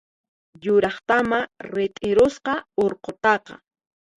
Yuraqtamá rit'irusqa urqutaqa!